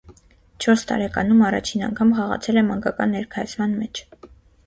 Չորս տարեկանում առաջին անգամ խաղացել է մանկական ներկայացման մեջ։